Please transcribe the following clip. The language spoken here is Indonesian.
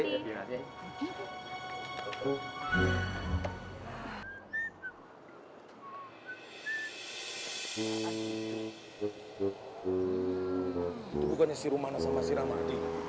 itu bukannya si romana sama si ramadi